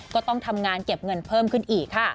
ก็ต้องทำงานเก็บเงินเพิ่มขึ้นอีกค่ะ